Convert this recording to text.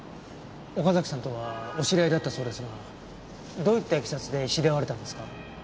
岡崎さんとはお知り合いだったそうですがどういったいきさつで知り合われたんですか？